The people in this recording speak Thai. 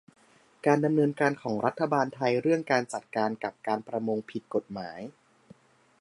การดำเนินการของรัฐบาลไทยเรื่องการจัดการกับการประมงผิดกฎหมาย